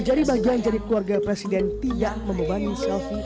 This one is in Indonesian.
jadi bagian jadi keluarga presiden tidak membebani selvi